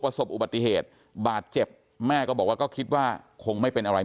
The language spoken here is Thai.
อุบัติเหตุบาดเจ็บแม่ก็บอกว่าก็คิดว่าคงไม่เป็นอะไร